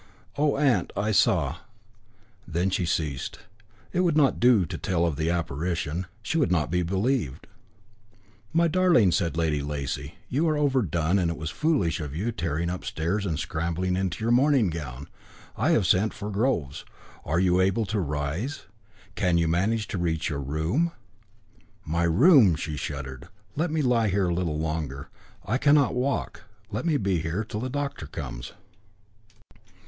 "Oh, aunt, I saw " then she ceased. It would not do to tell of the apparition. She would not be believed. "My darling," said Lady Lacy, "you are overdone, and it was foolish of you tearing upstairs and scrambling into your morning gown. I have sent for Groves. Are you able now to rise? Can you manage to reach your room?" "My room!" she shuddered. "Let me lie here a little longer. I cannot walk. Let me be here till the doctor comes."